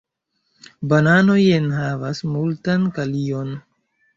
Bananoj enhavas multan kalion.